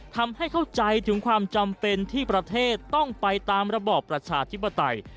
ทำให้เข้าใจถึงความจำเป็นที่ประเทศต้องไปตามระบอบประชาธิปไตย